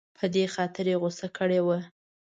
په دې خاطر یې غوسه کړې وه.